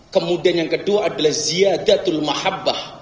kemudian yang kedua adalah ziyadatul mahabbah